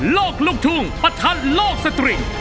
ลอกลูกทุ่งประทันลอกสตริง